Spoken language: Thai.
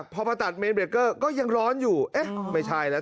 พอมาตัดเมนเรเกอร์ก็ยังร้อนอยู่เอ๊ะไม่ใช่แล้ว